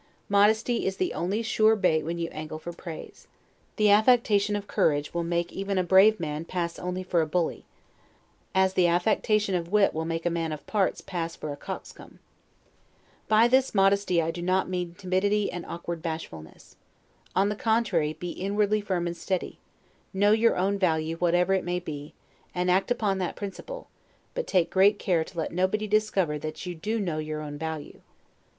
Modesty is the only sure bait when you angle for praise. The affectation of courage will make even a brave man pass only for a bully; as the affectation of wit will make a man of parts pass for a coxcomb. By this modesty I do not mean timidity and awkward bashfulness. On the contrary, be inwardly firm and steady, know your own value whatever it may be, and act upon that principle; but take great care to let nobody discover that you do know your own value.